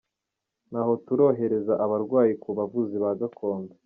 Ntaho turohereza abarwayi ku bavuzi ba gakondo.